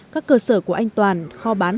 các cơ sở của anh toàn kho bán